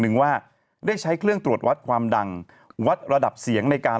หนึ่งว่าได้ใช้เครื่องตรวจวัดความดังวัดระดับเสียงในการ